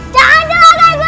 jangan jelakai guru